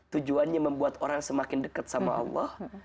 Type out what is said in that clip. tujuannya membuat orang semakin dekat sama allah